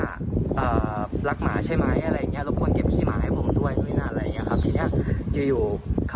อ่ารักหมาใช่มาไปอะไรอย่างเงี้ยแล้วมีความเที่ยวยอดออก